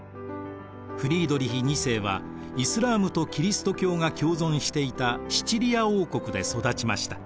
フリードリヒ２世はイスラームとキリスト教が共存していたシチリア王国で育ちました。